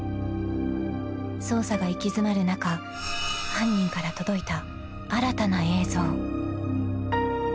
［捜査が行き詰まる中犯人から届いた］